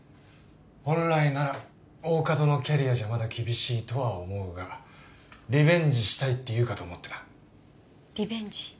本来なら大加戸のキャリアじゃまだ厳しいとは思うがリベンジしたいって言うかと思ってなリベンジ？